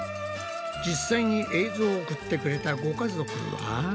実際に映像を送ってくれたご家族は。